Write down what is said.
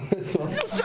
よっしゃ！